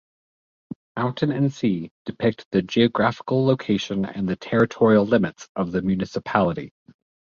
Mountain and Sea, depict the geographical location and the territorial limits of the municipality.